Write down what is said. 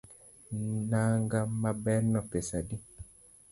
Nanga maberno pesa adi?